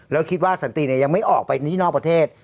แล้วคิดว่าสันติยังไม่ออกไปนี่นอกประเทศ